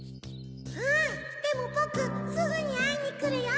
うんでもぼくすぐにあいにくるよ。